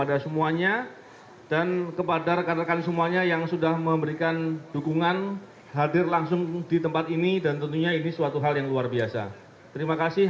assalamualaikum warahmatullahi wabarakatuh